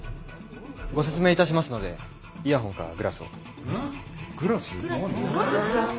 ご説明いたしますのでイヤホンかグラスを。